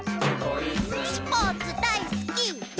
「スポーツだいすき！」